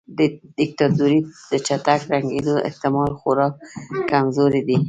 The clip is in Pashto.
د دیکتاتورۍ د چټک ړنګیدو احتمال خورا کمزوری دی.